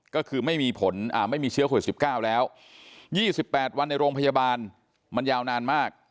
ก็คือไม่มีผลไม่มีเชื้อโควิด๑๙แล้ว๒๘วันในโรงพยาบาลมันยาวนานมาก